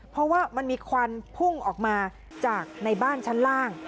เพราะว่ามันมีควันพุ่งออกมาจากในบ้านชั้นล่าง